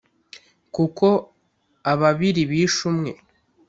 kuko ababiri bishe umwe